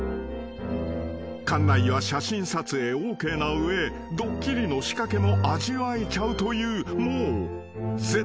［館内は写真撮影ＯＫな上ドッキリの仕掛けも味わえちゃうというもう］